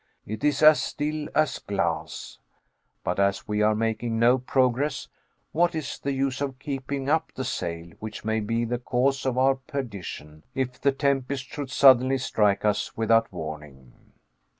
It is as still as glass. But as we are making no progress, what is the use of keeping up the sail, which may be the cause of our perdition if the tempest should suddenly strike us without warning.